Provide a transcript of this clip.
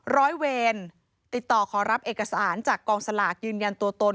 ร้อยเวรติดต่อขอรับเอกสารจากกองสลากยืนยันตัวตน